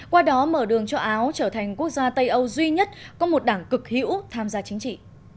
qua đó mở đường cho áo trở thành quốc gia tây âu duy nhất có một đảng cực hữu tham gia chính trị